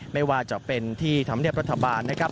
ไม่ว่าจะเป็นที่ธรรมเนียบรัฐบาลนะครับ